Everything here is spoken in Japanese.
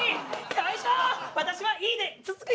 よいしょ！